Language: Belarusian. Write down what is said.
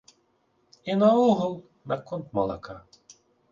І наогул, наконт малака.